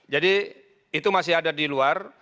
jadi itu masih ada di luar